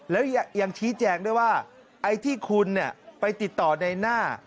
แล้วยังชี้แจงด้วยว่าไอ้ที่คุณไปติดต่อในหน้า